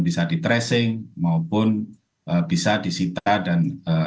bisa di tracing maupun bisa disita dan